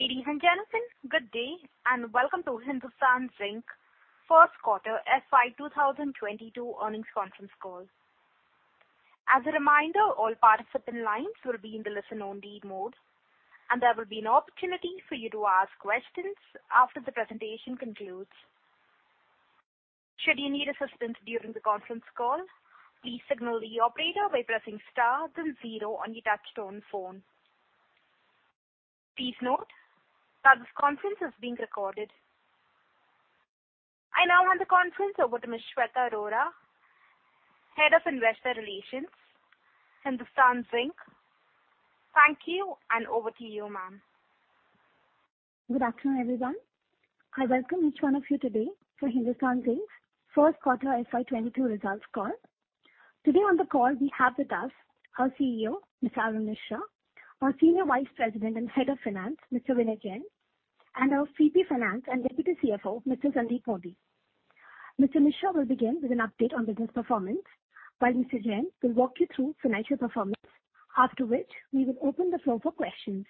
Ladies and gentlemen, good day, and welcome to Hindustan Zinc first quarter FY 2022 earnings conference call. As a reminder, all participant lines will be in the listen only mode, and there will be an opportunity for you to ask questions after the presentation concludes. Should you need assistance during the conference call, please signal the operator by pressing star then zero on your touchtone phone. Please note that this conference is being recorded. I now hand the conference over to Ms. Shweta Arora, Head of Investor Relations, Hindustan Zinc. Thank you, and over to you, ma'am. Good afternoon, everyone. I welcome each one of you today for Hindustan Zinc first quarter FY 2022 results call. Today on the call we have with us our CEO, Mr. Arun Misra, our Senior Vice President and Head of Finance, Mr. Vinaya Jain, and our VP Finance and Deputy CFO, Mr. Sandeep Modi. Mr. Misra will begin with an update on business performance, while Mr. Jain will walk you through financial performance, after which we will open the floor for questions.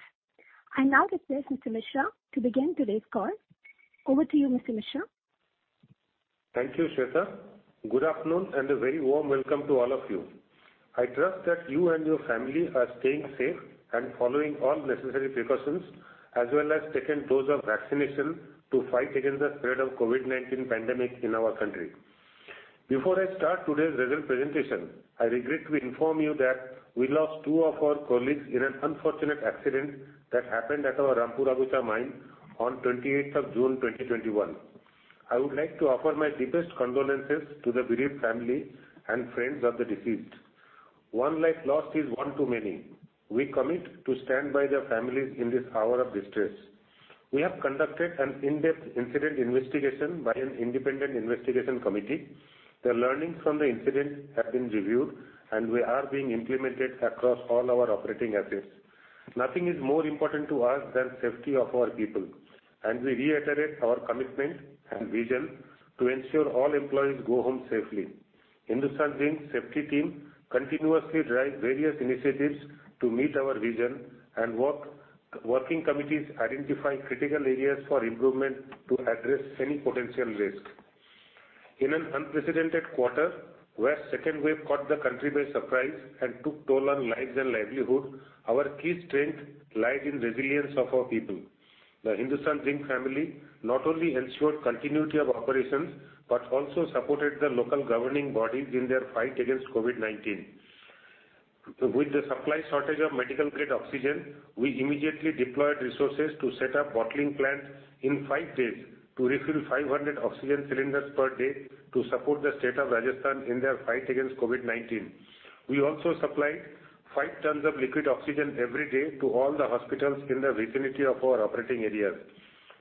I now request Mr. Misra to begin today's call. Over to you, Mr. Misra. Thank you, Shweta. Good afternoon and a very warm welcome to all of you. I trust that you and your family are staying safe and following all necessary precautions as well as second dose of vaccination to fight against the spread of COVID-19 pandemic in our country. Before I start today's result presentation, I regret to inform you that we lost two of our colleagues in an unfortunate accident that happened at our Rampura Agucha mine on 28th of June 2021. I would like to offer my deepest condolences to the bereaved family and friends of the deceased. One life lost is one too many. We commit to stand by their families in this hour of distress. We have conducted an in-depth incident investigation by an independent investigation committee. The learnings from the incident have been reviewed, and they are being implemented across all our operating assets. Nothing is more important to us than safety of our people, and we reiterate our commitment and vision to ensure all employees go home safely. Hindustan Zinc safety team continuously drive various initiatives to meet our vision and working committees identify critical areas for improvement to address any potential risk. In an unprecedented quarter, where second wave caught the country by surprise and took toll on lives and livelihood, our key strength lies in resilience of our people. The Hindustan Zinc family not only ensured continuity of operations, but also supported the local governing bodies in their fight against COVID-19. With the supply shortage of medical grade oxygen, we immediately deployed resources to set up bottling plants in five days to refill 500 oxygen cylinders per day to support the state of Rajasthan in their fight against COVID-19. We also supplied five tons of liquid oxygen every day to all the hospitals in the vicinity of our operating areas.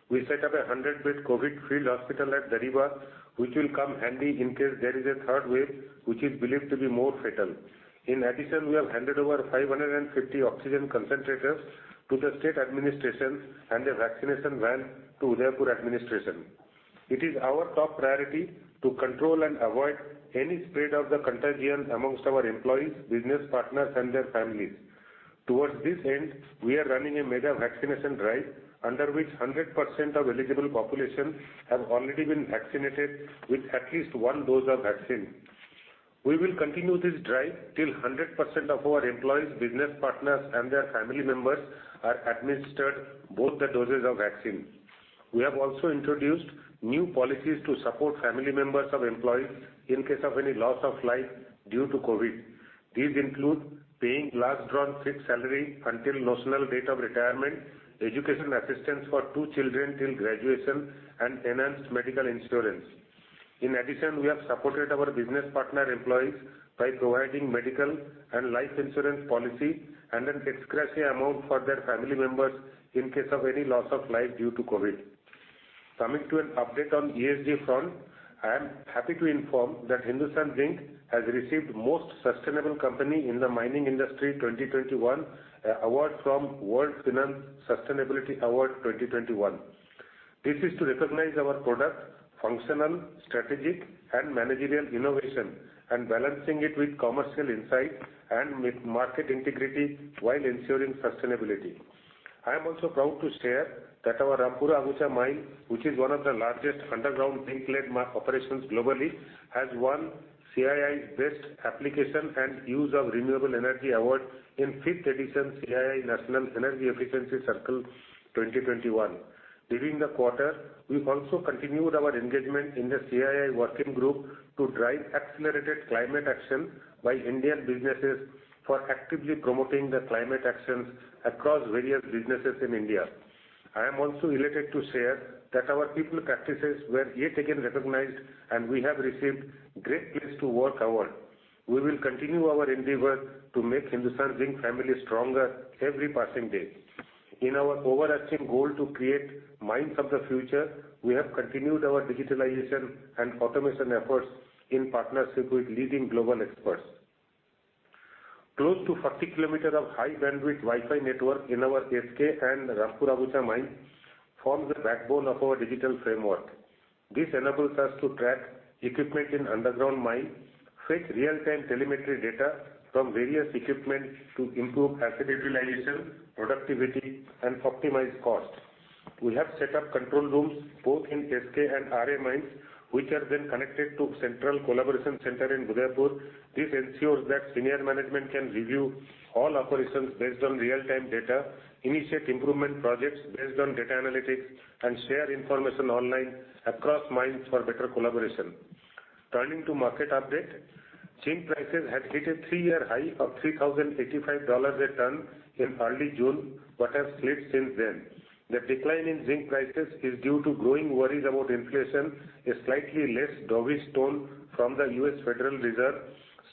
We set up 100-bed COVID field hospital at Dariba, which will come handy in case there is a third wave, which is believed to be more fatal. In addition, we have handed over 550 oxygen concentrators to the state administration and a vaccination van to Udaipur administration. It is our top priority to control and avoid any spread of the contagion amongst our employees, business partners, and their families. Towards this end, we are running a mega vaccination drive, under which 100% of eligible population have already been vaccinated with at least one dose of vaccine. We will continue this drive till 100% of our employees, business partners, and their family members are administered both the doses of vaccine. We have also introduced new policies to support family members of employees in case of any loss of life due to COVID. These include paying last drawn fixed salary until notional date of retirement, education assistance for two children till graduation, and enhanced medical insurance. In addition, we have supported our business partner employees by providing medical and life insurance policy and an ex gratia amount for their family members in case of any loss of life due to COVID. Coming to an update on ESG front, I am happy to inform that Hindustan Zinc has received Most Sustainable Company in the Mining Industry 2021, a award from World Finance Sustainability Award 2021. This is to recognize our product functional, strategic, and managerial innovation and balancing it with commercial insight and market integrity while ensuring sustainability. I am also proud to share that our Rampura Agucha mine, which is one of the largest underground zinc lead operations globally, has won CII's Best Application and Use of Renewable Energy Award in 5th Edition CII National Energy Efficiency Circle 2021. During the quarter, we've also continued our engagement in the CII working group to drive accelerated climate action by Indian businesses for actively promoting the climate actions across various businesses in India. I am also elated to share that our people practices were yet again recognized, and we have received Great Place To Work award. We will continue our endeavor to make Hindustan Zinc family stronger every passing day. In our overarching goal to create mines of the future, we have continued our digitalization and automation efforts in partnership with leading global experts. Close to 40 km of high bandwidth Wi-Fi network in our SK and Rampura Agucha mine. Forms the backbone of our digital framework. This enables us to track equipment in underground mine, fetch real-time telemetry data from various equipment to improve asset utilization, productivity, and optimize costs. We have set up control rooms both in SK and RA mines, which are then connected to Central Collaboration Center in Udaipur. This ensures that senior management can review all operations based on real-time data, initiate improvement projects based on data analytics, and share information online across mines for better collaboration. Turning to market update. Zinc prices had hit a three-year high of $3,085 a ton in early June, but have slipped since then. The decline in zinc prices is due to growing worries about inflation, a slightly less dovish tone from the US Federal Reserve,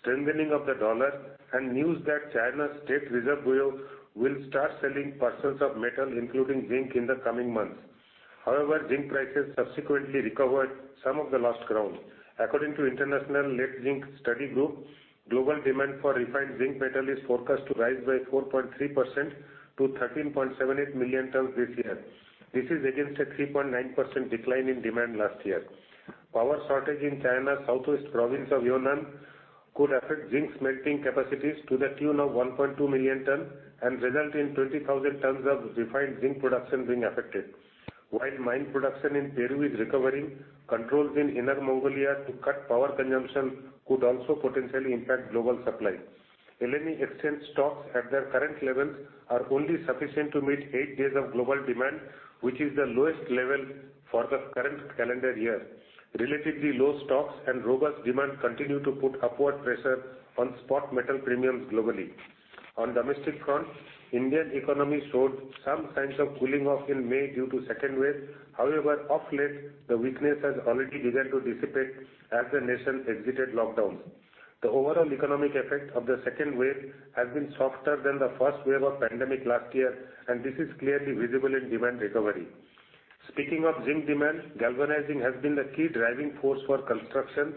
strengthening of the dollar, and news that China's State Reserve Bureau will start selling portions of metal, including zinc, in the coming months. However, zinc prices subsequently recovered some of the lost ground. According to International Lead and Zinc Study Group, global demand for refined zinc metal is forecast to rise by 4.3% to 13.78 million tons this year. This is against a 3.9% decline in demand last year. Power shortage in China's southwest province of Yunnan could affect zinc smelting capacities to the tune of 1.2 million tons, and result in 20,000 tons of refined zinc production being affected. While mine production in Peru is recovering, controls in Inner Mongolia to cut power consumption could also potentially impact global supply. LME exchange stocks at their current levels are only sufficient to meet eight days of global demand, which is the lowest level for the current calendar year. Relatively low stocks and robust demand continue to put upward pressure on spot metal premiums globally. On domestic front, Indian economy showed some signs of cooling off in May due to second wave. However, of late, the weakness has already begun to dissipate as the nation exited lockdown. The overall economic effect of the second wave has been softer than the first wave of pandemic last year, and this is clearly visible in demand recovery. Speaking of zinc demand, galvanizing has been the key driving force for construction,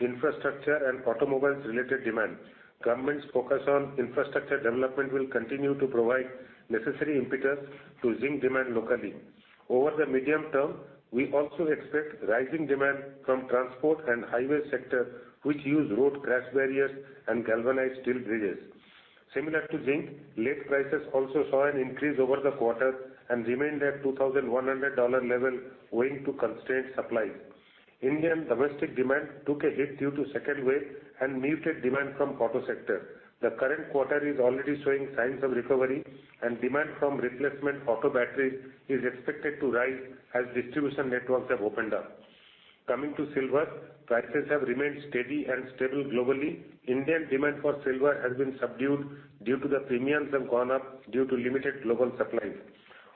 infrastructure, and automobiles-related demand. Government's focus on infrastructure development will continue to provide necessary impetus to zinc demand locally. Over the medium-term, we also expect rising demand from transport and highway sector, which use road crash barriers and galvanized steel bridges. Similar to zinc, lead prices also saw an increase over the quarter and remained at $2,100 level owing to constrained supply. Indian domestic demand took a hit due to second wave and muted demand from auto sector. The current quarter is already showing signs of recovery, and demand from replacement auto batteries is expected to rise as distribution networks have opened up. Coming to silver, prices have remained steady and stable globally. Indian demand for silver has been subdued due to the premiums have gone up due to limited global supply.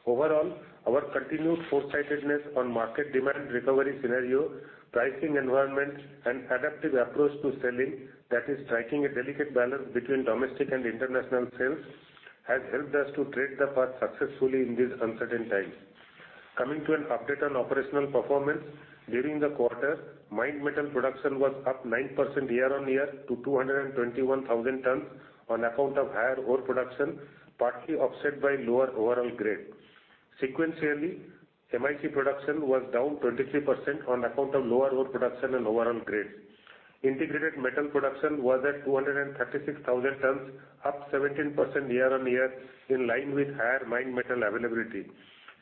Overall, our continued foresightedness on market demand recovery scenario, pricing environment, and adaptive approach to selling that is striking a delicate balance between domestic and international sales has helped us to tread the path successfully in these uncertain times. Coming to an update on operational performance. During the quarter, mined metal production was up 9% year-on-year to 221,000 tons on account of higher ore production, partly offset by lower overall grade. Sequentially, MIC production was down 23% on account of lower ore production and overall grade. Integrated metal production was at 236,000 tons, up 17% year-on-year, in line with higher mined metal availability.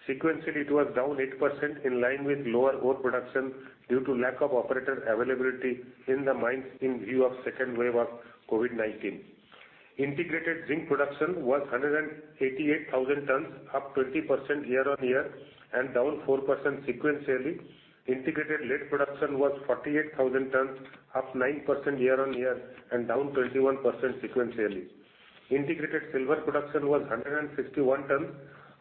Sequentially, it was down 8% in line with lower ore production due to lack of operator availability in the mines in view of second wave of COVID-19. Integrated zinc production was 188,000 tons, up 20% year-on-year, and down 4% sequentially. Integrated lead production was 48,000 tons, up 9% year-on-year and down 21% sequentially. Integrated silver production was 161 tons,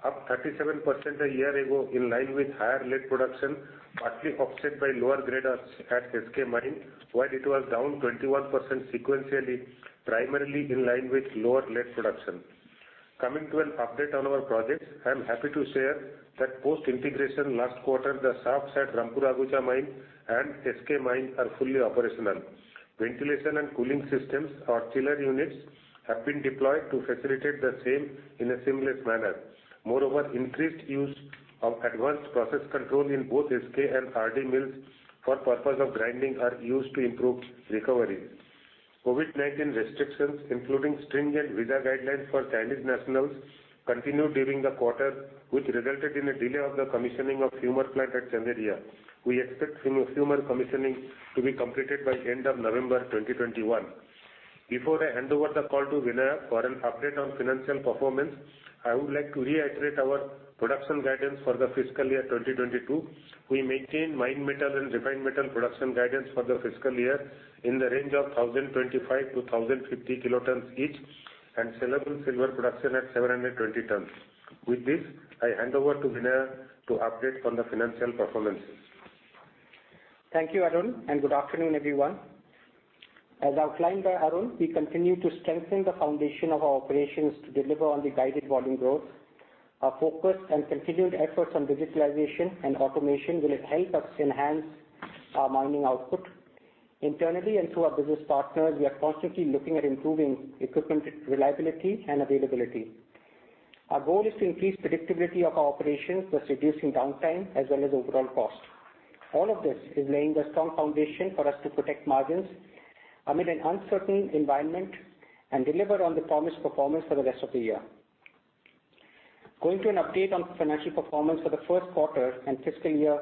up 37% a year ago in line with higher lead production, partly offset by lower grades at SK mine, while it was down 21% sequentially, primarily in line with lower lead production. Coming to an update on our projects. I'm happy to share that post-integration last quarter, the shafts at Rampura Agucha mine and SK mine are fully operational. Ventilation and cooling systems or chiller units have been deployed to facilitate the same in a seamless manner. Moreover, increased use of advanced process control in both SK and RD mills for purpose of grinding are used to improve recovery. COVID-19 restrictions, including stringent visa guidelines for Chinese nationals, continued during the quarter, which resulted in a delay of the commissioning of Fumer plant at Chanderiya. We expect Fumer commissioning to be completed by end of November 2021. Before I hand over the call to Vinaya for an update on financial performance, I would like to reiterate our production guidance for the fiscal year 2022. We maintain mined metal and refined metal production guidance for the fiscal year in the range of 1,025-1,050 kilotons each, and sellable silver production at 720 tons. With this, I hand over to Vinaya to update on the financial performance. Thank you, Arun, and good afternoon, everyone. As outlined by Arun, we continue to strengthen the foundation of our operations to deliver on the guided volume growth. Our focus and continued efforts on digitalization and automation will help us enhance our mining output. Internally and through our business partners, we are constantly looking at improving equipment reliability and availability. Our goal is to increase predictability of our operations thus reducing downtime as well as overall cost. All of this is laying a strong foundation for us to protect margins amid an uncertain environment and deliver on the promised performance for the rest of the year. Going to an update on financial performance for the first quarter of fiscal year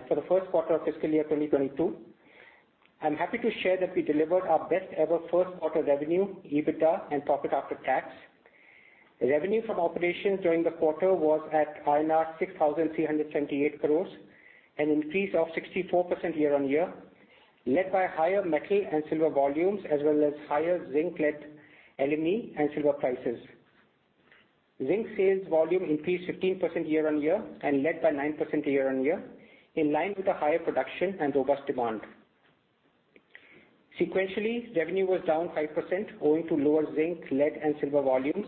2022. I'm happy to share that we delivered our best ever first quarter revenue, EBITDA, and profit after tax. Revenue from operations during the quarter was at INR 6,328 crores, an increase of 64% year-on-year, led by higher metal and silver volumes, as well as higher zinc, lead, LME, and silver prices. Zinc sales volume increased 15% year-on-year and led by 9% year-on-year, in line with the higher production and robust demand. Sequentially, revenue was down 5% owing to lower zinc, lead, and silver volumes,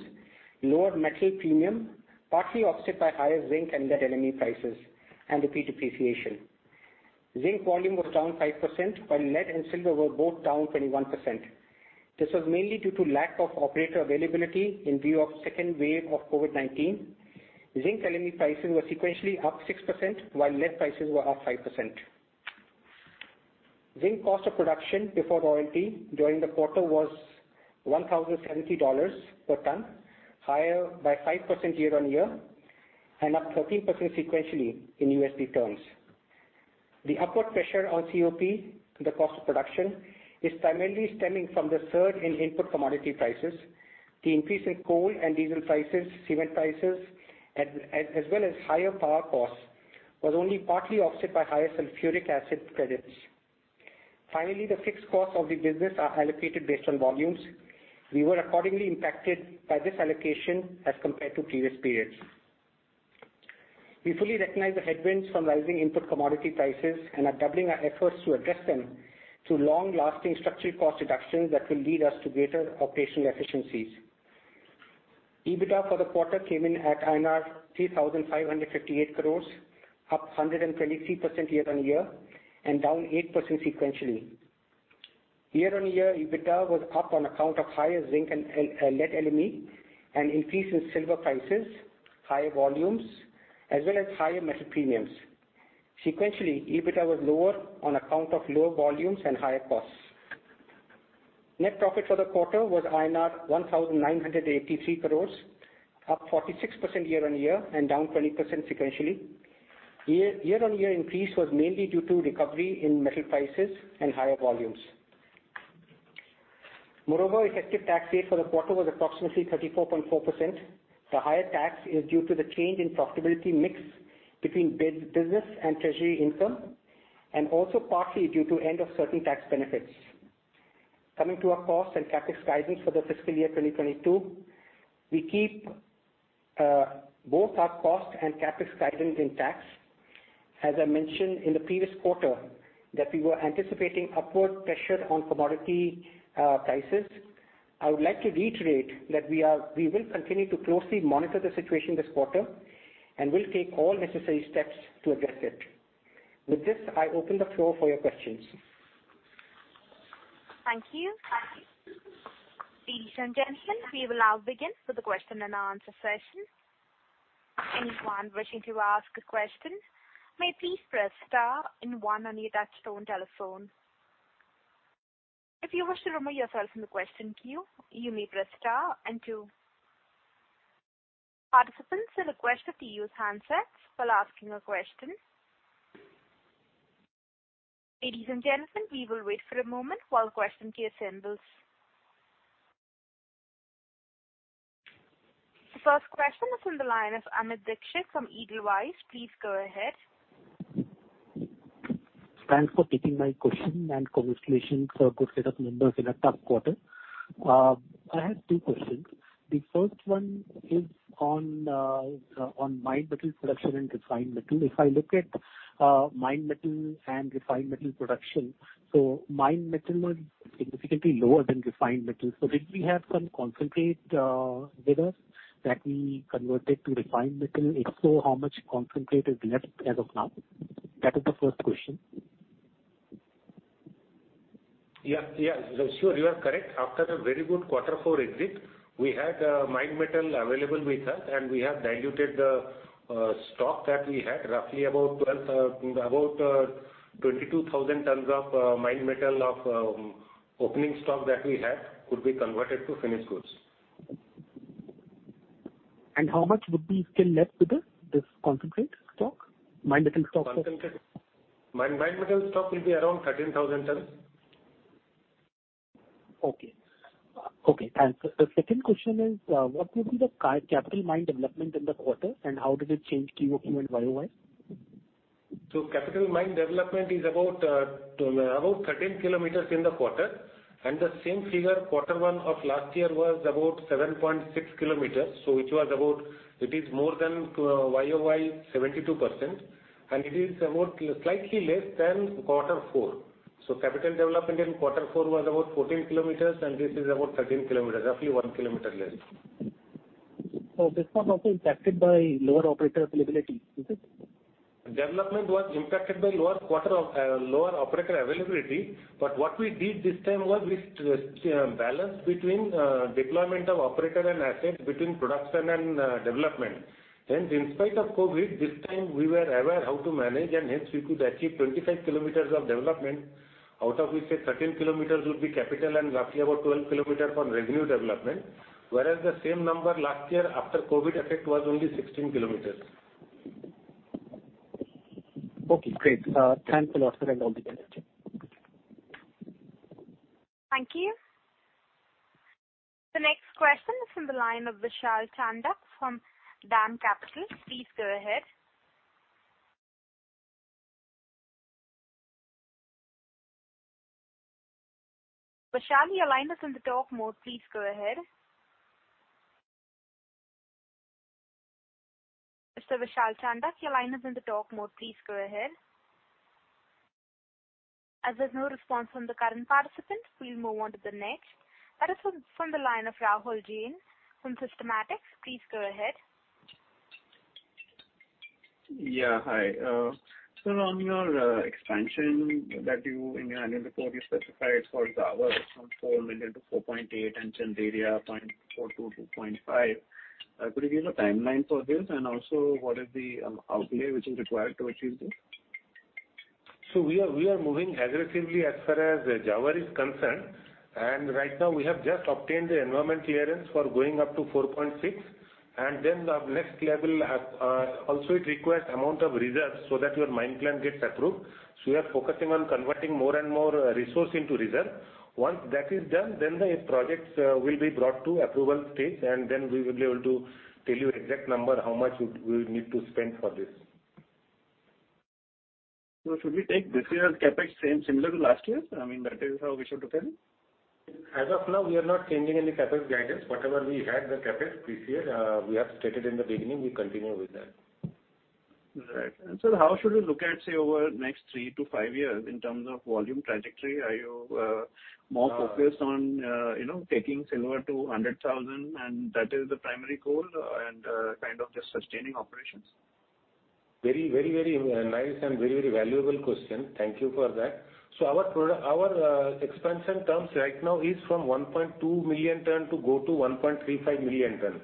lower metal premium, partly offset by higher zinc and lead LME prices and the rupee depreciation. Zinc volume was down 5%, while lead and silver were both down 21%. This was mainly due to lack of operator availability in view of second wave of COVID-19. Zinc LME prices were sequentially up 6%, while lead prices were up 5%. Zinc cost of production before royalty during the quarter was $1,070 per ton, higher by 5% year-on-year, and up 13% sequentially in USD terms. The upward pressure on COP, the cost of production, is primarily stemming from the surge in input commodity prices. The increase in coal and diesel prices, cement prices, as well as higher power costs, was only partly offset by higher sulfuric acid credits. The fixed costs of the business are allocated based on volumes. We were accordingly impacted by this allocation as compared to previous periods. We fully recognize the headwinds from rising input commodity prices and are doubling our efforts to address them through long-lasting structural cost reductions that will lead us to greater operational efficiencies. EBITDA for the quarter came in at INR 3,558 crores, up 123% year-on-year and down 8% sequentially. Year-on-year EBITDA was up on account of higher zinc and lead LME, an increase in silver prices, higher volumes, as well as higher metal premiums. Sequentially, EBITDA was lower on account of lower volumes and higher costs. Net profit for the quarter was INR 1,983 crores, up 46% year-on-year and down 20% sequentially. Year-on-year increase was mainly due to recovery in metal prices and higher volumes. Moreover, effective tax rate for the quarter was approximately 34.4%. The higher tax is due to the change in profitability mix between business and treasury income, and also partly due to end of certain tax benefits. Coming to our cost and CapEx guidance for the fiscal year 2022. We keep both our cost and CapEx guidance intact. As I mentioned in the previous quarter, that we were anticipating upward pressure on commodity prices. I would like to reiterate that we will continue to closely monitor the situation this quarter, and will take all necessary steps to address it. With this, I open the floor for your questions. Thank you. Ladies and gentlemen, we will now begin with the question and answer session. Anyone wishing to ask a question may please press star and one on your touch-tone telephone. If you wish to remove yourself from the question queue, you may press star and two. Participants are requested to use handsets while asking a question. Ladies and gentlemen, we will wait for a moment while the question queue assembles. The first question is on the line from Amit Dixit from Edelweiss. Please go ahead. Thanks for taking my question and congratulations for good set of numbers in a tough quarter. I have two questions. The first one is on mined metal production and refined metal. If I look at mined metal and refined metal production, mined metal was significantly lower than refined metal. Did we have some concentrate with us that we converted to refined metal? If so, how much concentrate is left as of now? That is the first question. Yeah. Sure. You are correct. After a very good quarter four exit, we had mined metal available with us, and we have diluted the stock that we had. Roughly about 22,000 tons of mined metal of opening stock that we had could be converted to finished goods. How much would be still left with this concentrate stock, mined metal stock? Mined metal stock will be around 13,000 tons. Okay. Thanks. The second question is, what will be the capital mine development in the quarter, and how does it change QoQ and YoY? Capital mine development is about 13 km in the quarter, and the same figure quarter one of last year was about 7.6 km. It is more than YoY 72%, and it is about slightly less than quarter four. Capital development in quarter four was about 14 km, and this is about 13 km, roughly one km less. This was also impacted by lower operator availability, is it? Development was impacted by lower operator availability. What we did this time was we balanced between deployment of operator and asset between production and development. In spite of COVID, this time we were aware how to manage, and hence we could achieve 25 km of development. Out of which 13 km would be capital and roughly about 12 km on revenue development. The same number last year after COVID effect was only 16 km. Okay, great. Thanks a lot, sir. All the best. Thank you. The next question is from the line of Vishal Chandak from DAM Capital. Please go ahead. Vishal, your line is in the talk mode. Please go ahead. Mr. Vishal Chandak, your line is in the talk mode. Please go ahead. There's no response from the current participant, we'll move on to the next. That is from the line of Rahul Jain from Systematix. Please go ahead. Yeah, hi. On your expansion in your annual report you specified for Zawar from 4 million to 4.8 and Chanderiya 0.4 to 2.5. Could you give a timeline for this? Also what is the outlay which is required to achieve this? We are moving aggressively as far as Zawar is concerned. Right now we have just obtained the environment clearance for going up to 4.6. Then the next level also it requires amount of reserves so that your mine plan gets approved. We are focusing on converting more and more resource into reserve. Once that is done, then the projects will be brought to approval stage and then we will be able to tell you exact number, how much we would need to spend for this. Should we take this year's CapEx same similar to last year? I mean, that is how we should look at it? As of now, we are not changing any CapEx guidance. Whatever we had the CapEx this year we have stated in the beginning, we continue with that. Right. Sir, how should we look at, say, over the next three to five years in terms of volume trajectory? Are you more focused on taking silver to 100,000, and that is the primary goal and kind of just sustaining operations? Very nice and very valuable question. Thank you for that. Our expansion terms right now is from 1.2 million tons to go to 1.35 million tons.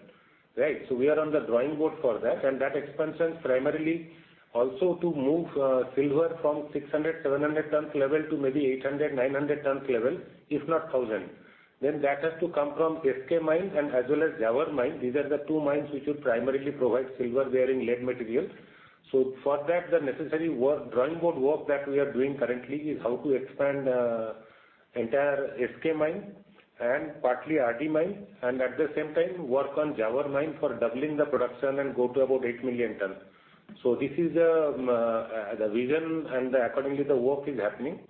We are on the drawing board for that, and that expansion is primarily also to move silver from 600, 700 tons level to maybe 800, 900 tons level, if not 1,000. That has to come from SK mine and as well as Zawar mine. These are the two mines which will primarily provide silver-bearing lead materials. For that, the necessary drawing board work that we are doing currently is how to expand entire SK mine and partly RD mine and at the same time work on Zawar mine for doubling the production and go to about eight million tons. This is the vision and accordingly, the work is happening.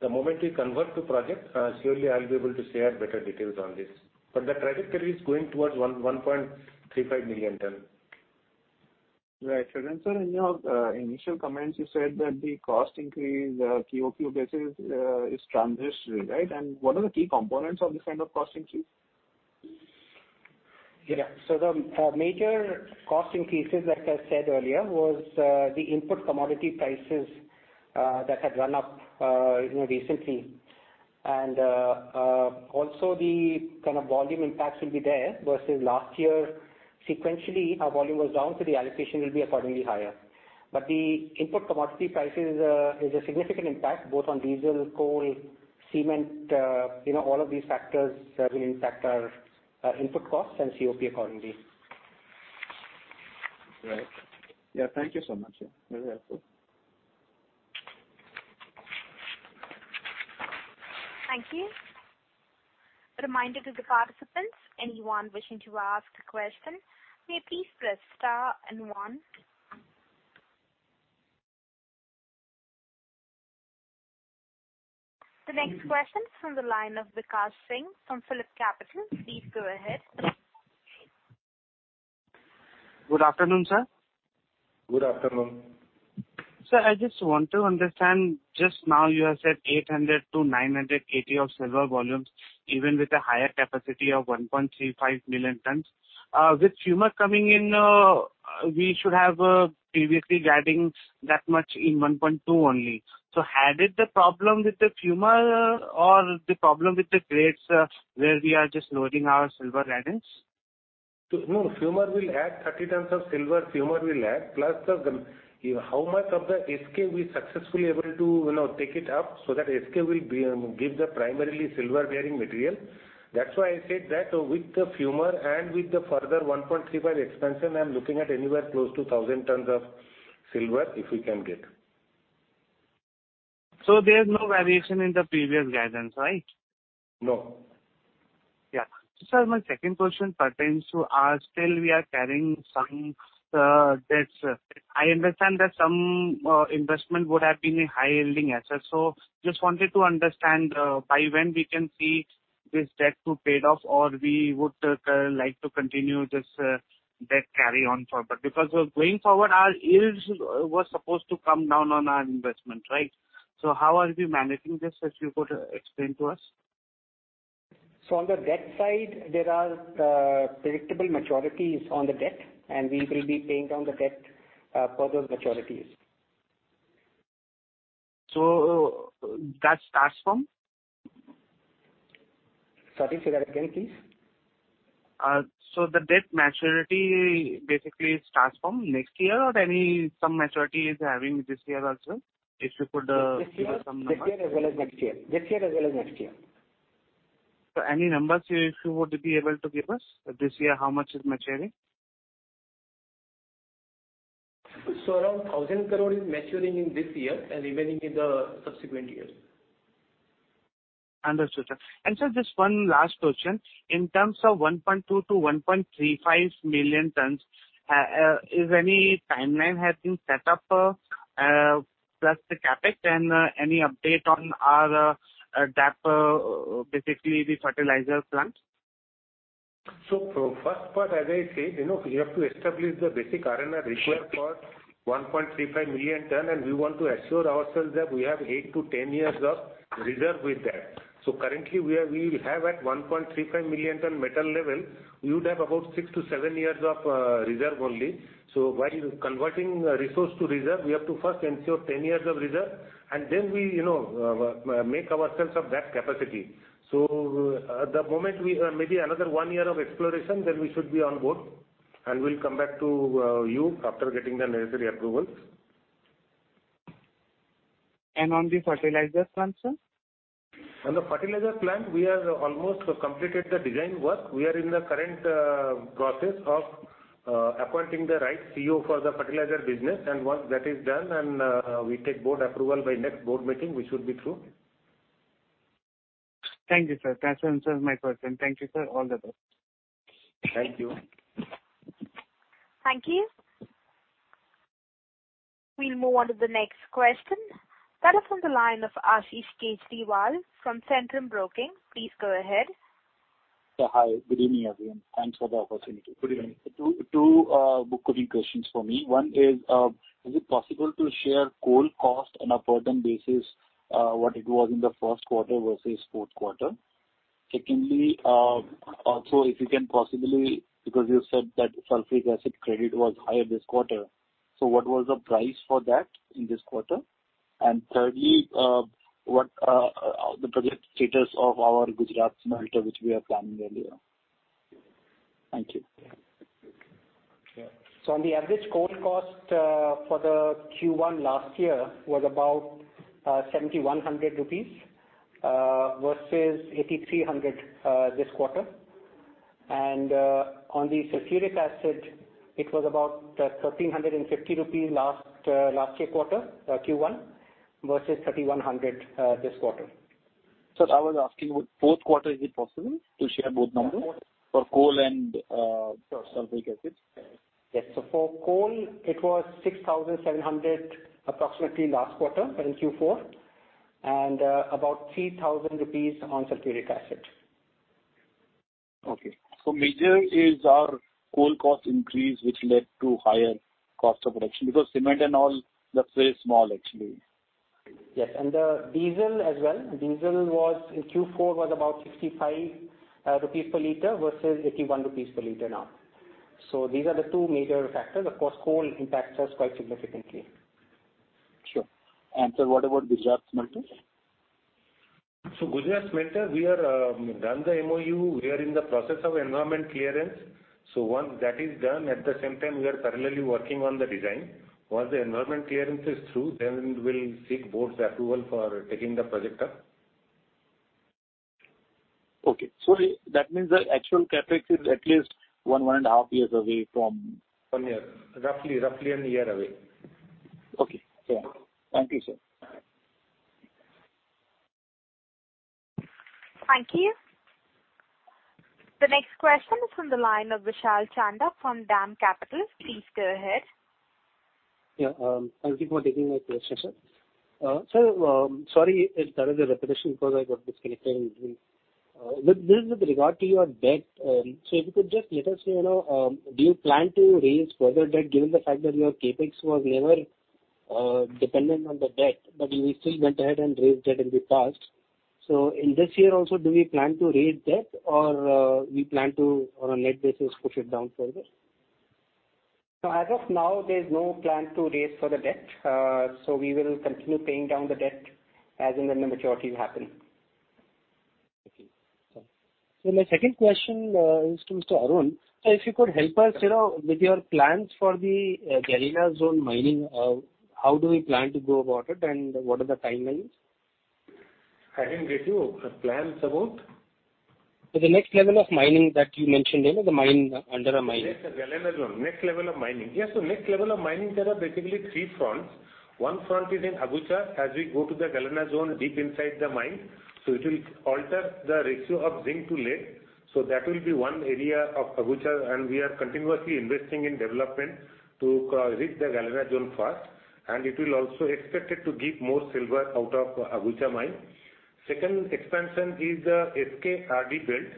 The moment we convert to project, surely I'll be able to share better details on this. The trajectory is going towards 1.35 million ton. Right. Sir, in your initial comments, you said that the cost increase, QoQ basis is transitory, right? What are the key components of this kind of cost increase? The major cost increases, like I said earlier, was the input commodity prices that had run up recently. Also the kind of volume impacts will be there versus last year. Sequentially, our volume was down, the allocation will be accordingly higher. The input commodity prices is a significant impact both on diesel, coal, cement, all of these factors will impact our input costs and COP accordingly. Right. Yeah, thank you so much. Very helpful. Thank you. A reminder to the participants, anyone wishing to ask a question, may you please press star and one. The next question is from the line of Vikash Singh from PhillipCapital. Please go ahead. Good afternoon, sir. Good afternoon. Sir, I just want to understand, just now you have said 800-980 of silver volumes, even with a higher capacity of 1.35 million tons. With Fumer coming in, we should have previously guiding that much in 1.2 only. Had it the problem with the Fumer or the problem with the grades where we are just lowering our silver guidance? No, Fumer will add 30 tons of silver, plus how much of the SK we successfully able to take it up so that SK will give the primarily silver-bearing material. That's why I said that with the Fumer and with the further 1.35 expansion, I'm looking at anywhere close to 1,000 tons of silver, if we can get. There's no variation in the previous guidance, right? No. Yeah. Sir, my second question pertains to our still we are carrying some debts. I understand that some investment would have been a high-yielding asset. Just wanted to understand by when we can see this debt to paid off or we would like to continue this debt carry on further. Going forward our yields were supposed to come down on our investment, right? How are we managing this, if you could explain to us? On the debt side, there are predictable maturities on the debt, and we will be paying down the debt per those maturities. That starts from? Sorry, say that again, please. The debt maturity basically starts from next year or any some maturity is having this year also, if you put some numbers. This year as well as next year. Any numbers you would be able to give us this year, how much is maturing? Around 1,000 crore is maturing in this year and remaining in the subsequent years. Understood, sir. Sir, just one last question. In terms of 1.2 to 1.35 million tons, is any timeline has been set up for the CapEx and any update on our DAP, basically the fertilizer plant? First part, as I said, we have to establish the basic R&R required for 1.35 million ton, and we want to assure ourselves that we have eight to 10 years of reserve with that. Currently, we have at 1.35 million ton metal level, we would have about six to seven years of reserve only. While converting resource to reserve, we have to first ensure 10 years of reserve, and then we make ourselves of that capacity. At the moment, maybe another one year of exploration, then we should be on board, and we'll come back to you after getting the necessary approvals. On the fertilizer plant, sir? On the fertilizer plant, we have almost completed the design work. We are in the current process of appointing the right CEO for the fertilizer business. Once that is done, and we take board approval by next board meeting, we should be through. Thank you, sir. That answers my question. Thank you, sir. All the best. Thank you. Thank you. We'll move on to the next question. That is on the line of Ashish Kejriwal from Centrum Broking. Please go ahead. Yeah, hi. Good evening, everyone. Thanks for the opportunity. Good evening. Two book reading questions for me. One is it possible to share coal cost on a per ton basis, what it was in the first quarter versus fourth quarter? Secondly, also if you can possibly, because you said that sulfuric acid credit was higher this quarter. What was the price for that in this quarter? Thirdly, what the project status of our Gujarat smelter, which we are planning earlier? Thank you. On the average coal cost for the Q1 last year was about 7,100 rupees versus 8,300 this quarter. On the sulfuric acid, it was about 1,350 rupees last year quarter, Q1, versus 3,100 this quarter. Sir, I was asking fourth quarter, is it possible to share both numbers for coal and sulfuric acid? Yes. For coal it was 6,700 approximately last quarter in Q4 and about 3,000 rupees on sulfuric acid. Okay. Major is our coal cost increase, which led to higher cost of production because cement and all, that is very small actually. Yes, the diesel as well. Diesel in Q4 was about 65 rupees per liter versus 81 rupees per liter now. These are the two major factors. Of course, coal impacts us quite significantly. Sure. Sir, what about Gujarat smelter? Gujarat smelter, we are done the MoU. We are in the process of environment clearance. Once that is done, at the same time, we are parallely working on the design. Once the environment clearance is through, then we'll seek board's approval for taking the project up. Okay. That means the actual CapEx is at least one and a half years away. One year. Roughly a year away. Okay. Yeah. Thank you, sir. All right. Thank you. The next question is from the line of Vishal Chandak from DAM Capital. Please go ahead. Yeah. Thank you for taking my question, sir. Sir, sorry if there is a repetition because I got disconnected in between. This is with regard to your debt. If you could just let us know, do you plan to raise further debt, given the fact that your CapEx was never dependent on the debt, but we still went ahead and raised debt in the past. In this year also, do we plan to raise debt or we plan to, on a net basis, push it down further? As of now, there's no plan to raise further debt. We will continue paying down the debt as and when the maturities happen. Okay. My second question is to Mr. Arun. Sir, if you could help us with your plans for the Galena Zone mining. How do we plan to go about it and what are the timelines? I didn't get you. Plans about? The next level of mining that you mentioned, the mine under a mine. The Galena Zone. Next level of mining. Next level of mining, there are basically three fronts. One front is in Agucha, as we go to the Galena Zone deep inside the mine. It will alter the ratio of zinc to lead. That will be one area of Agucha, and we are continuously investing in development to reach the Galena Zone first, and it will also expected to give more silver out of Agucha mine. Second expansion is SK RD belt.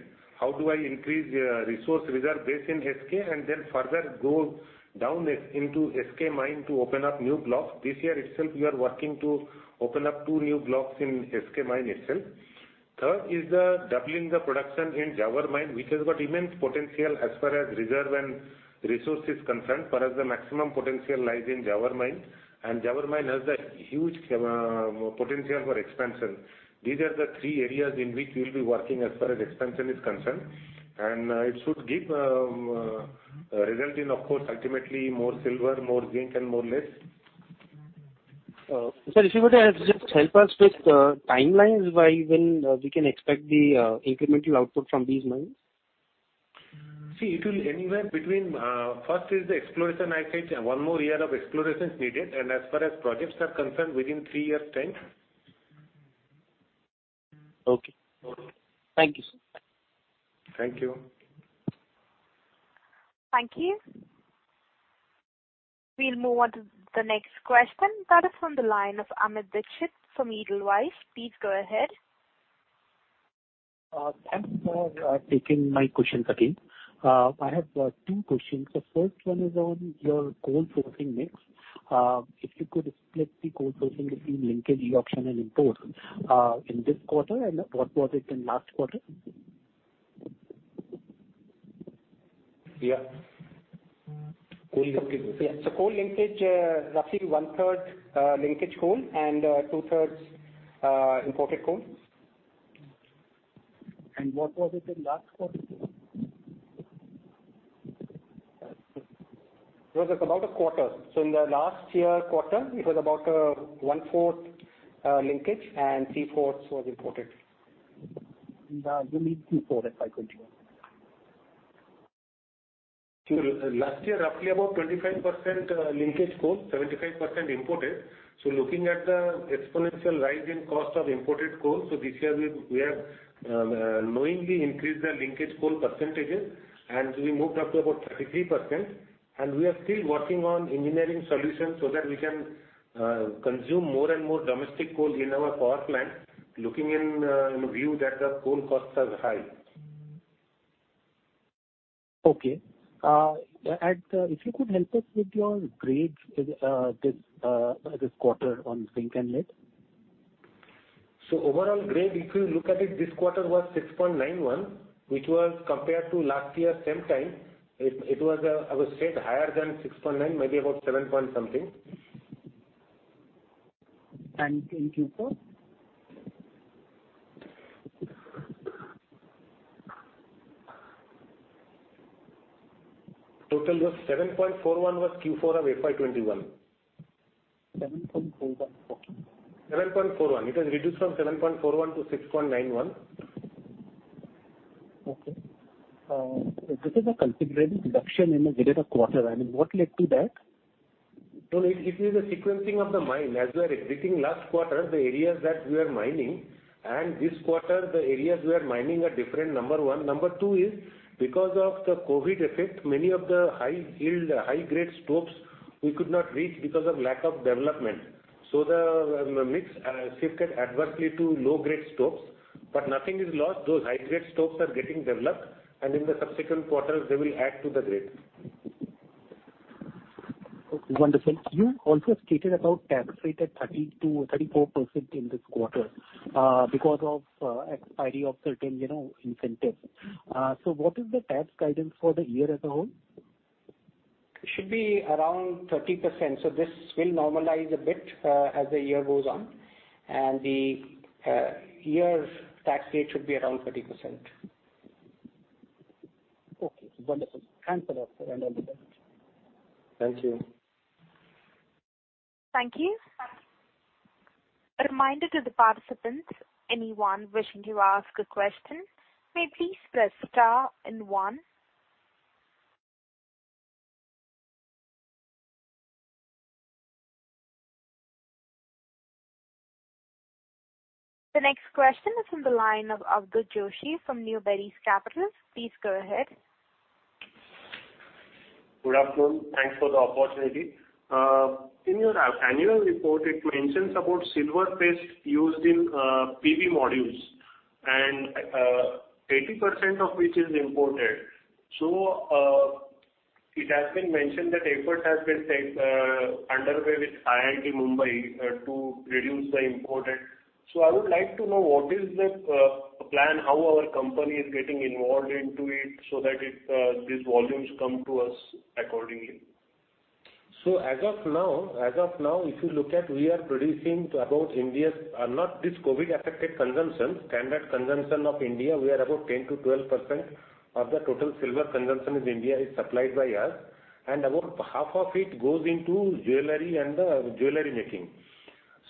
How do I increase resource reserve base in SK and then further go down into SK mine to open up new blocks. This year itself, we are working to open up two new blocks in SK mine itself. Third is the doubling the production in Zawar mine, which has got immense potential as far as reserve and resource is concerned. For us, the maximum potential lies in Zawar mine, and Zawar mine has the huge potential for expansion. These are the three areas in which we'll be working as far as expansion is concerned. It should result in, of course, ultimately more silver, more zinc, and more lead. Sir, if you were to just help us with timelines, by when we can expect the incremental output from these mines? See, it will anywhere between, first is the exploration I said, one more year of exploration is needed, and as far as projects are concerned, within three years' time. Okay. Thank you, sir. Thank you. Thank you. We'll move on to the next question. That is from the line of Amit Dixit from Edelweiss. Please go ahead. Thanks for taking my questions again. I have two questions. The first one is on your coal sourcing mix. If you could split the coal sourcing between linkage, e-auction, and import in this quarter, and what was it in last quarter? Yeah. Coal linkage. Yeah. coal linkage, roughly one-third linkage coal and two-thirds imported coal. What was it in last quarter? It was about a quarter. In the last year quarter, it was about 1/4 linkage and 3/4 was imported. The remaining three-fourths, if I could. Last year, roughly about 25% linkage coal, 75% imported. Looking at the exponential rise in cost of imported coal, this year we have knowingly increased the linkage coal percentages, and we moved up to about 33%. We are still working on engineering solutions that we can consume more and more domestic coal in our power plant, looking in view that the coal costs are high. Okay. If you could help us with your grades this quarter on zinc and lead. Overall grade, if you look at it, this quarter was 6.91, which was compared to last year same time, it was, I would say, higher than 6.9, maybe about seven point something. In Q4? Total was 7.41 was Q4 of FY 2021. 7.41, sorry. 7.41. It has reduced from 7.41 to 6.91. Okay. This is a considerable reduction in a period of quarter. What led to that? It is a sequencing of the mine. As we are exiting last quarter, the areas that we are mining and this quarter the areas we are mining are different, number one. Number two is because of the COVID-19 effect, many of the high yield, high-grade stopes we could not reach because of lack of development. Nothing is lost. Those high-grade stopes are getting developed, and in the subsequent quarters, they will add to the grade. Okay, wonderful. You also stated about tax rate at 30%-34% in this quarter because of expiry of certain incentives. What is the tax guidance for the year as a whole? It should be around 30%. This will normalize a bit as the year goes on. The year tax rate should be around 30%. Okay, wonderful. Thanks a lot, sir. Wonderful. Thank you. Thank you. A reminder to the participants, anyone wishing to ask a question, may please press star and one. The next question is from the line of Avadhoot Joshi from New Berry Capitals. Please go ahead. Good afternoon. Thanks for the opportunity. In your annual report, it mentions about silver paste used in PV modules, and 80% of which is imported. It has been mentioned that effort has been underway with IIT Bombay to reduce the imported. I would like to know what is the plan, how our company is getting involved into it so that these volumes come to us accordingly. As of now, if you look at, we are producing to about India's, not this COVID-19-affected consumption, standard consumption of India, we are about 10%-12% of the total silver consumption in India is supplied by us, and about half of it goes into jewelry and the jewelry making.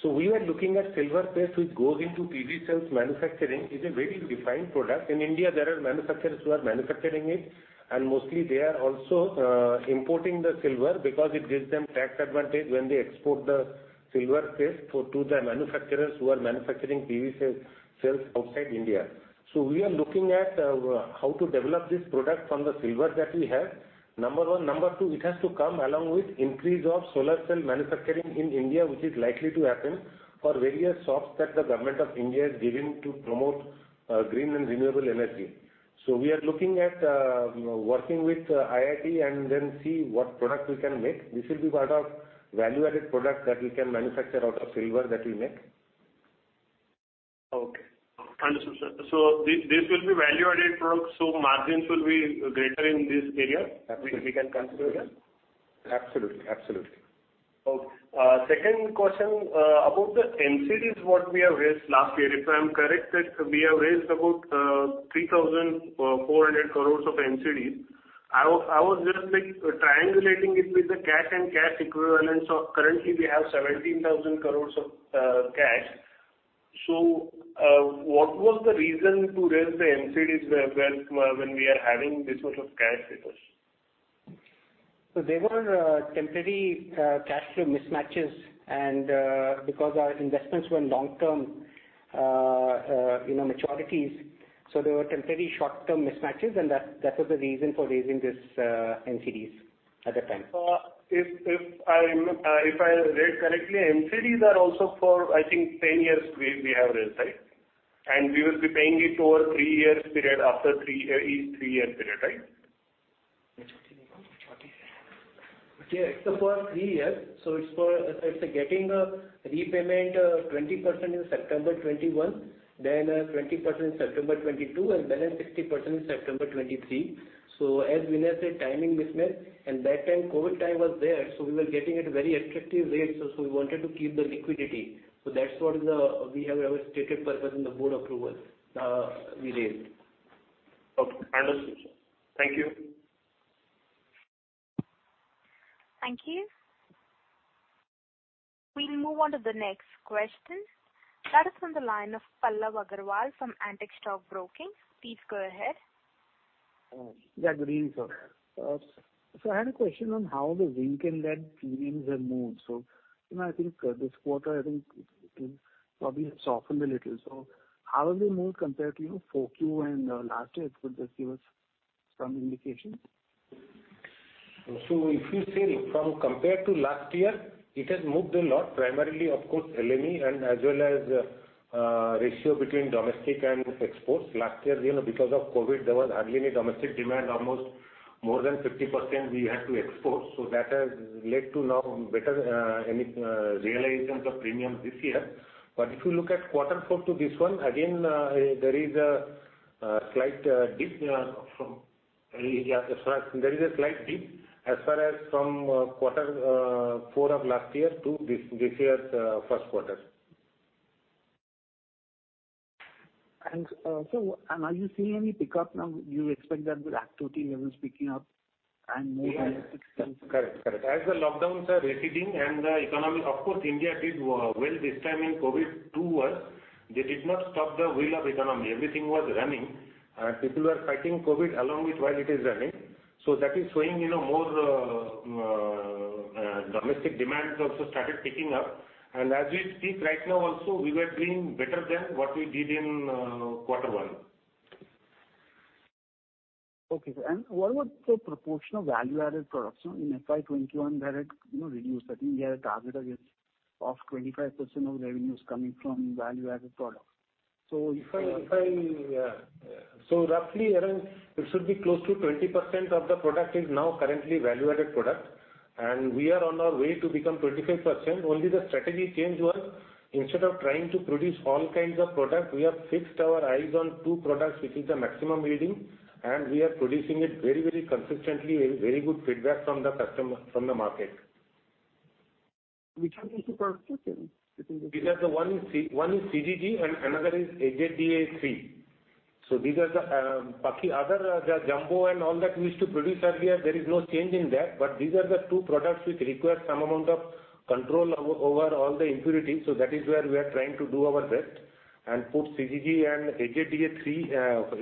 We were looking at silver paste which goes into PV cells manufacturing, is a very refined product. In India, there are manufacturers who are manufacturing it, and mostly they are also importing the silver because it gives them tax advantage when they export the silver paste to the manufacturers who are manufacturing PV cells outside India. We are looking at how to develop this product from the silver that we have, number one. Number two, it has to come along with increase of solar cell manufacturing in India, which is likely to happen for various SOPs that the Government of India has given to promote green and renewable energy. We are looking at working with IIT and then see what product we can make. This will be part of value-added product that we can manufacture out of silver that we make. Okay. Understood, sir. This will be value-added product, so margins will be greater in this area. Absolutely We can consider, yeah? Absolutely. Okay. Second question, about the NCDs what we have raised last year. If I'm correct, that we have raised about 3,400 crores of NCDs. I was just triangulating it with the cash and cash equivalents of currently we have 17,000 crores of cash. What was the reason to raise the NCDs when we are having this much of cash with us? They were temporary cash flow mismatches, and because our investments were in long-term maturities. They were temporary short-term mismatches, and that was the reason for raising this NCDs at that time. If I read correctly, NCDs are also for, I think 10 years, we have raised. We will be paying it over three years period, after each three-year period, right? Yeah, it's for three years. It's getting a repayment of 20% in September 2021, then 20% in September 2022, and balance 60% in September 2023. As Vinaya Jain said, timing mismatch, and that time, COVID-19 was there, so we were getting at very attractive rates. We wanted to keep the liquidity. That's what we have always stated in the board approval we raised. Okay, understood, sir. Thank you. Thank you. We'll move on to the next question. That is from the line of Pallav Agarwal from Antique Stock Broking. Please go ahead. Yeah, good evening, sir. I had a question on how the zinc and lead premiums have moved. I think this quarter, it probably has softened a little. How have they moved compared to 4Q and last year? Could you just give us some indication? If you see from compared to last year, it has moved a lot, primarily of course, LME and as well as ratio between domestic and exports. Last year, because of COVID, there was hardly any domestic demand. Almost more than 50% we had to export. That has led to now better realizations of premiums this year. If you look at quarter four to this one, again, there is a slight dip, as far as from quarter four of last year to this year's first quarter. Sir, are you seeing any pickup now? Do you expect that the activity levels picking up? Yes. Correct. As the lockdowns are receding and the economy, of course, India did well this time in COVID too was, they did not stop the wheel of economy. Everything was running. People were fighting COVID along with while it is running. That is showing more domestic demands also started picking up. As we speak right now also, we were doing better than what we did in quarter one. Okay, sir. What about the proportion of value-added products? In FY 2021, that had reduced. I think we had a target of 25% of revenues coming from value-added products. Roughly around, it should be close to 20% of the product is now currently value-added product, and we are on our way to become 25%. Only the strategy change was, instead of trying to produce all kinds of product, we have fixed our eyes on two products which is the maximum yielding, and we are producing it very consistently, very good feedback from the market. Which are these two products then? These are the one is CGG and another is HZDA 3. These are the other, the jumbo and all that we used to produce earlier, there is no change in that. These are the two products which require some amount of control over all the impurities, that is where we are trying to do our best and put CGG and HZDA 3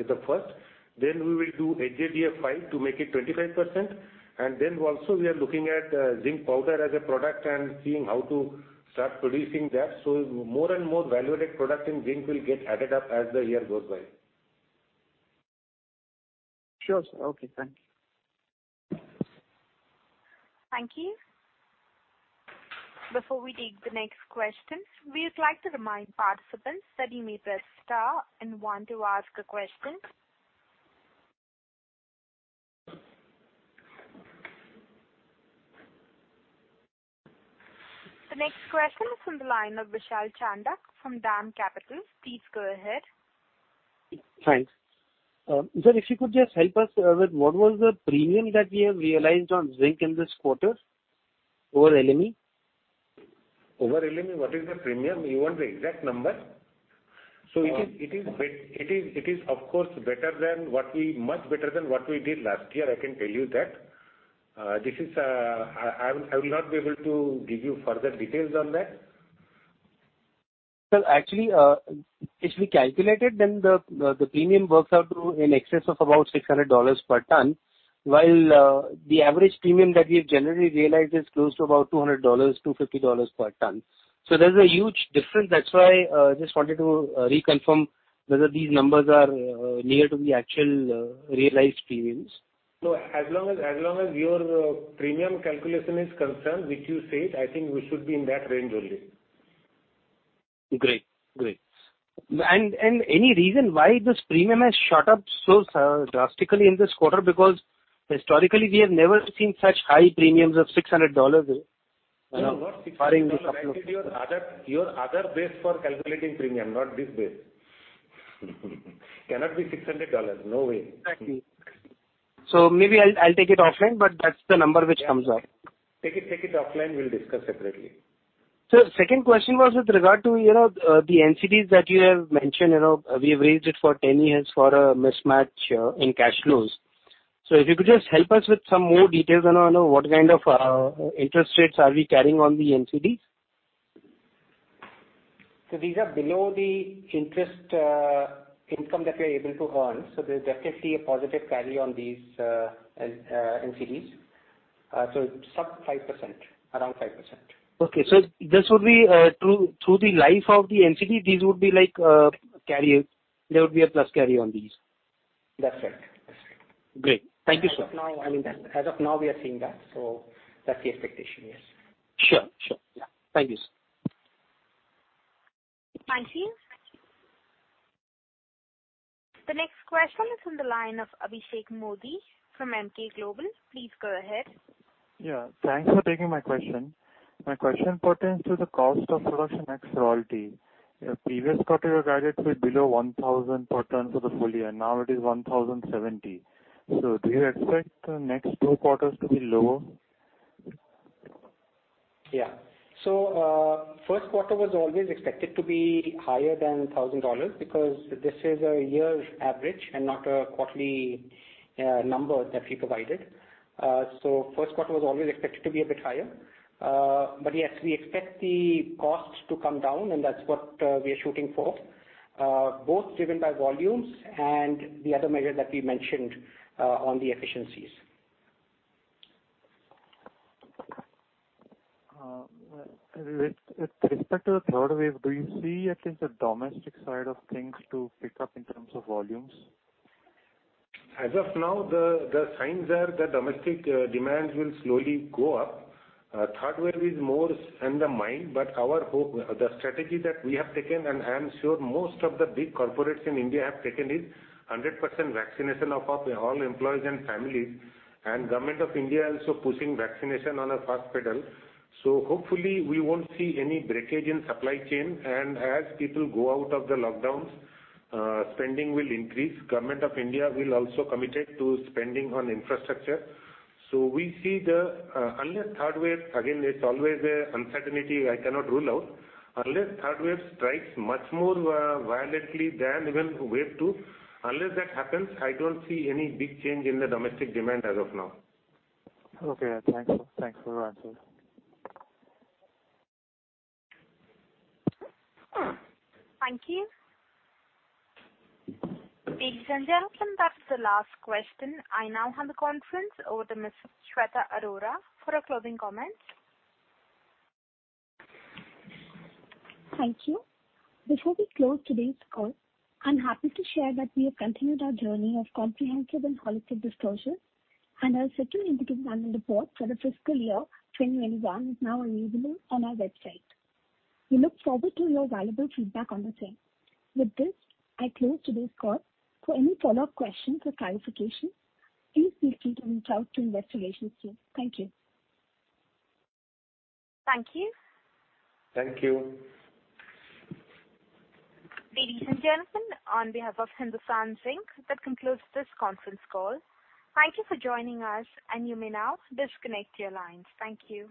as the first. We will do HZDA 5 to make it 25%. Also we are looking at zinc powder as a product and seeing how to start producing that. More and more value-added product in zinc will get added up as the year goes by. Sure, sir. Okay, thank you. Thank you. Before we take the next question, we'd like to remind participants that you may press star and one to ask a question. The next question is from the line of Vishal Chandak from DAM Capital. Please go ahead. Thanks. Sir, if you could just help us with what was the premium that we have realized on zinc in this quarter over LME? Over LME, what is the premium? You want the exact number? It is, of course, much better than what we did last year, I can tell you that. I will not be able to give you further details on that. Sir, actually, if we calculate it, then the premium works out to in excess of about $600 per ton, while the average premium that we've generally realized is close to about $200, $250 per ton. There's a huge difference. That's why I just wanted to reconfirm whether these numbers are near to the actual realized premiums. No. As long as your premium calculation is concerned, which you said, I think we should be in that range only. Great. Any reason why this premium has shot up so drastically in this quarter? Because historically we have never seen such high premiums of $600. No, not $600. You have to do your other base for calculating premium, not this base. Cannot be $600. No way. Exactly. Maybe I'll take it offline, but that's the number which comes up. Take it offline. We'll discuss separately. Sir, second question was with regard to the NCDs that you have mentioned. We have raised it for 10 years for a mismatch in cash flows. If you could just help us with some more details around what kind of interest rates are we carrying on the NCDs? These are below the interest income that we are able to earn. There's definitely a positive carry on these NCDs. It's sub 5%, around 5%. Okay, through the life of the NCD, there would be a plus carry on these? That's right. Great. Thank you, sir. As of now, we are seeing that, so that's the expectation, yes. Sure. Thank you, sir. Thank you. The next question is on the line of Abhishek Mody from Emkay Global. Please go ahead. Yeah, thanks for taking my question. My question pertains to the cost of production before royalty. In the previous quarter, you had guided to it below $1,000 per ton for the full year. Now it is $1,070. Do you expect the next two quarters to be lower? First quarter was always expected to be higher than $1,000 because this is a year's average and not a quarterly number that we provided. First quarter was always expected to be a bit higher. Yes, we expect the costs to come down and that's what we are shooting for, both driven by volumes and the other measure that we mentioned on the efficiencies. With respect to the third wave, do you see at least the domestic side of things to pick up in terms of volumes? As of now, the signs are that domestic demands will slowly go up. Third wave is more in the mind, but the strategy that we have taken, and I am sure most of the big corporates in India have taken, is 100% vaccination of all employees and families, and Government of India also pushing vaccination on a fast pedal. Hopefully we won't see any breakage in supply chain, and as people go out of the lockdowns, spending will increase. Government of India will also commit to spending on infrastructure. Unless third wave, again, it's always an uncertainty I cannot rule out, unless third wave strikes much more violently than even wave two, unless that happens, I don't see any big change in the domestic demand as of now. Okay. Thanks for answering. Thank you. Ladies and gentlemen, that's the last question. I now hand the conference over to Ms. Shweta Arora for her closing comments. Thank you. Before we close today's call, I'm happy to share that we have continued our journey of comprehensive and holistic disclosure, and our second interim dividend report for the fiscal year 2021 is now available on our website. We look forward to your valuable feedback on the same. With this, I close today's call. For any follow-up questions or clarifications, please feel free to reach out to investor relations team. Thank you. Thank you. Thank you. Ladies and gentlemen, on behalf of Hindustan Zinc, that concludes this conference call. Thank you for joining us, and you may now disconnect your lines. Thank you.